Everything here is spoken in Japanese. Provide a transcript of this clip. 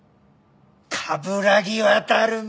冠城亘め！